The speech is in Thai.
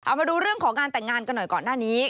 เอามาดูเรื่องของงานแต่งงานกันหน่อยก่อนหน้านี้